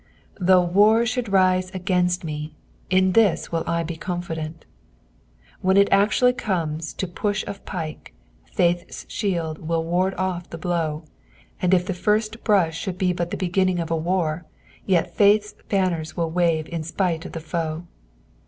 " Though mar thould rite againit me, iti thU will I be eonfidmi." When it actually comes to push of pike, faith'a shield will ward off the blow ; and if the first brush should be but thebeginningof a war, yet faith's banners will wave in Bpit« of the foe.